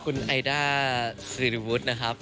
คุณไอด้าสิริวุฒินะครับ